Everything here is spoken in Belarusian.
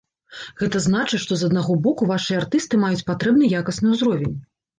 Гэта значыць, што з аднаго боку вашыя артысты маюць патрэбны якасны ўзровень.